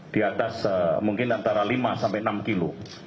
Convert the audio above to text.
di atas mungkin antara lima sampai enam kilo